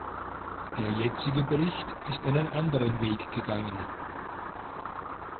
Der jetzige Bericht ist einen anderen Weg gegangen.